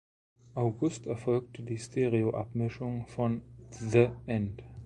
August erfolgte die Stereoabmischung von "The End".